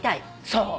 そう。